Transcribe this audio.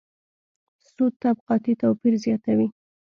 سود طبقاتي توپیر زیاتوي.